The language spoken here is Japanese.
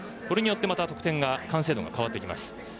これによって、また得点完成度が変わってきます。